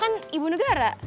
kan ibu negara